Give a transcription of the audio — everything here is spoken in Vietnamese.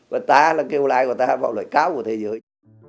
và ta là keo lai của ta một loại cao của thế giới